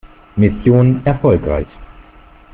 Mission erfolgreich!